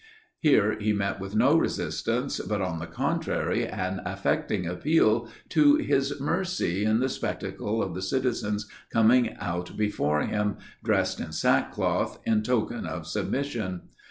Here he met with no resistance; but, on the contrary, an affecting appeal to his mercy in the spectacle of the citizens coming out before him, dressed in sackcloth, in token of submission.